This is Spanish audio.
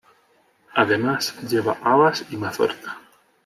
Además, lleva habas y mazorca.